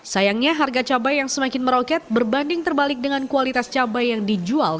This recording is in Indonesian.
sayangnya harga cabai yang semakin meroket berbanding terbalik dengan kualitas cabai yang dijual